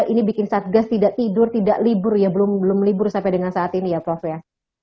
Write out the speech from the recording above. ini bikin satgas tidak tidur tidak libur ya belum libur sampai dengan saat ini ya prof ya